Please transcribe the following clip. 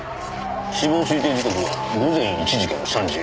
死亡推定時刻は午前１時から３時。